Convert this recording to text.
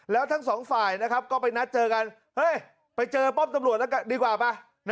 แล้วทั้งสองฝ่ายนะครับก็ไปนัดเจอกันเฮ้ยไปเจอป้อมตำรวจแล้วกันดีกว่าป่ะ